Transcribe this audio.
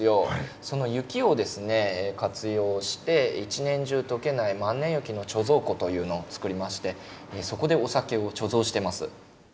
その雪をですね活用して一年中解けない万年雪の貯蔵庫というのを作りましてそこでお酒を貯蔵してます。